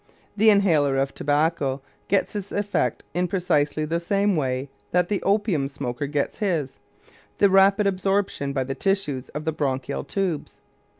The inhaler of tobacco gets his effect in precisely the same way that the opium smoker gets his the rapid absorption by the tissues of the bronchial tubes.